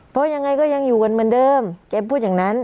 เพราะยังไงก็ยังอยู่กันเหมือนเดิมแกพูดอย่างนั้น